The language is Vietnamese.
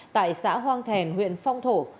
tại xã hoang thèn huyện phong thổ